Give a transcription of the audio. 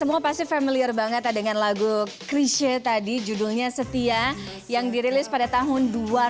semua pasti familiar banget dengan lagu krisha tadi judulnya setia yang dirilis pada tahun dua ribu dua